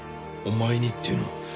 「お前に」っていうのは？